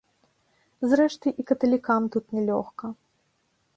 Зрэшты, і каталікам тут не лёгка.